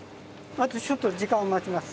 あとちょっと時間を待ちます。